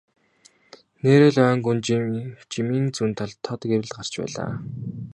Нээрээ л ойн гүнд жимийн зүүн талд тод гэрэл гарч байлаа.